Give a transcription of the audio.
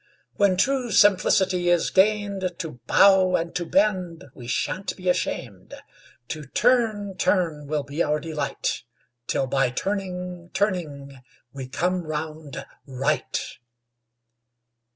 When true simplicity is gain'd, To bow and to bend we shan't be asham'd, To turn, turn will be our delight 'Till by turning, turning we come round right.